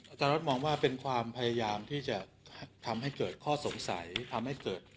อาจารย์รัฐมองว่าเป็นความพยายามที่จะทำให้เกิดข้อสงสัยทำให้เกิด